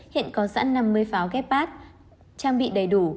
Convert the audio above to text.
hiện có sẵn năm mươi pháo gepard trang bị đầy đủ